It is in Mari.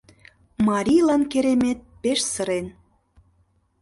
Марийлан Керемет пеш сырен..